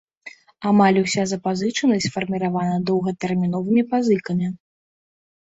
Амаль уся запазычанасць сфарміравана доўгатэрміновымі пазыкамі.